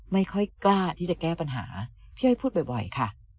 ไม่ค่อยกล้าที่จะแก้ปัญหาพี่อ้อยพูดบ่อยค่ะ